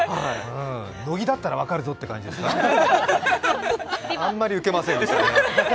乃木だったら分かるぞっていうあんまりウケませんでした。